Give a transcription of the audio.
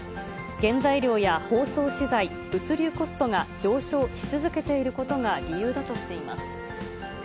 原材料や包装資材、物流コストが上昇し続けていることが理由だとしています。